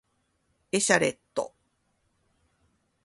エシャレット